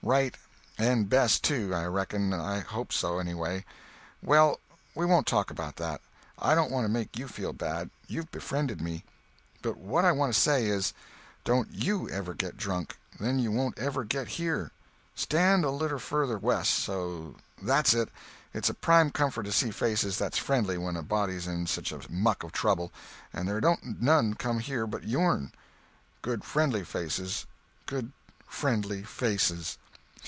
Right, and best, too, I reckon—hope so, anyway. Well, we won't talk about that. I don't want to make you feel bad; you've befriended me. But what I want to say, is, don't you ever get drunk—then you won't ever get here. Stand a litter furder west—so—that's it; it's a prime comfort to see faces that's friendly when a body's in such a muck of trouble, and there don't none come here but yourn. Good friendly faces—good friendly faces.